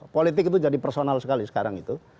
politik itu jadi personal sekali sekarang itu